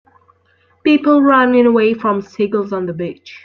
People running away from seagulls on the beach.